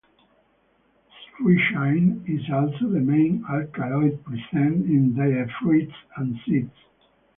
Strychnine is also the main alkaloid present in the fruits and seeds.